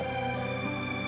saya mohon ya allah